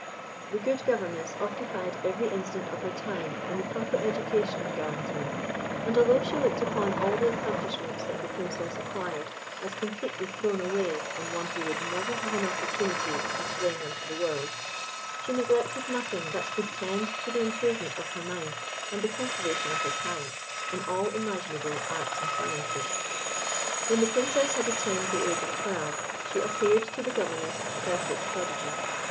The good governess occupied every instant of her time in the proper education of Galantine; and although she looked upon all the accomplishments that the Princess acquired as completely thrown away on one who would never have an opportunity of displaying them to the world, she neglected nothing that could tend to the improvement of her mind and the cultivation of her talents, in all imaginable arts and sciences. When the Princess had attained the age of twelve she appeared to the governess a perfect prodigy.